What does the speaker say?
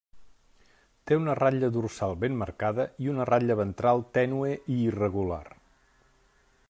Té una ratlla dorsal ben marcada i una ratlla ventral tènue i irregular.